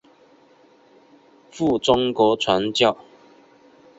赴中国传教。